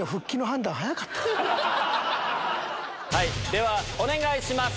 ⁉ではお願いします。